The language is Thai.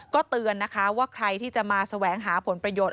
ก็เตือนนะคะว่าใครที่จะมาแสวงหาผลประโยชน์